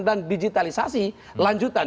dan digitalisasi lanjutan